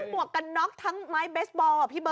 หวกกันน็อกทั้งไม้เบสบอลพี่เบิ